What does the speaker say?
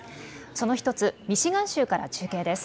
その１つ、ミシガン州から中継です。